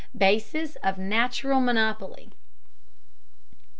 BASIS OF NATURAL MONOPOLY.